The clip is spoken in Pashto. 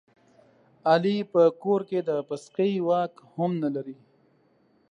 علي په کور کې د پسکې واک هم نه لري.